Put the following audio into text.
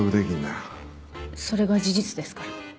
それが事実ですから。